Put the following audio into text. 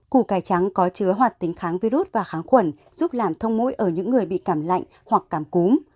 củ cải trắng có chứa hoạt tính kháng virus và kháng khuẩn giúp làm thông mũi ở những người bị cảm lạnh hoặc cảm cúm